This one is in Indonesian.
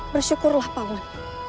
bersyukurlah pak man